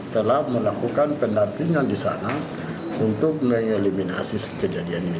telah melakukan pendampingan di sana untuk mengeliminasi kejadian ini